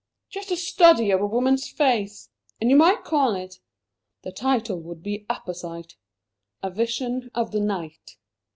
"Just a study of a woman's face. And you might call it the title would be apposite 'A Vision of the Night!'"